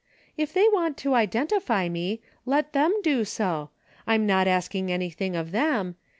" If they want to identify me, let them do so. I'm not asking anything of them.